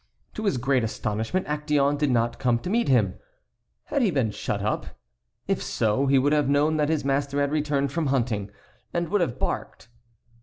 To his great astonishment Actéon did not come to meet him. Had he been shut up? If so, he would have known that his master had returned from hunting, and would have barked.